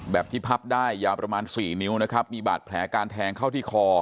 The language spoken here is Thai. แบบที่พับได้ยาวประมาณ๔นิ้วนะครับมีบาดแผลการแทงเข้าที่คอ